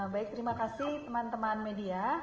baik terima kasih teman teman media